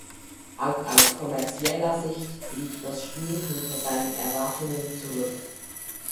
Auch aus kommerzieller Sicht blieb das Spiel hinter seinen Erwartungen zurück.